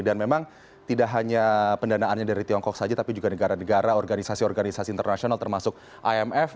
dan memang tidak hanya pendanaannya dari tiongkok saja tapi juga negara negara organisasi organisasi internasional termasuk imf